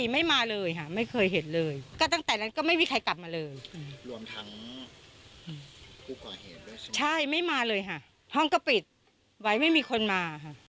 ไม่มีคนมา